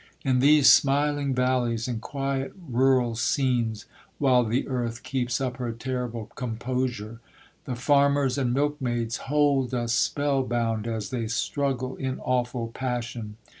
In these smiling valleys and quiet rural scenes, "while the earth keeps up her terrible composure," the farmers and milkmaids hold us spellbound as they struggle in awful passion.